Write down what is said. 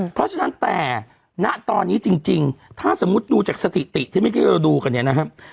เพราะฉะนั้นแต่ณตอนนี้จริงถ้าสมมุติดูจากสถิติที่เมื่อกี้เราดูกันเนี่ยนะครับ